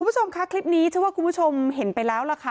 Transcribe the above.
คุณผู้ชมคะคลิปนี้เชื่อว่าคุณผู้ชมเห็นไปแล้วล่ะค่ะ